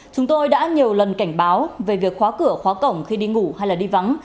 chúng tôi đã nhiều lần cảnh báo về việc khóa cửa khóa cổng khi đi ngủ hay đi vắng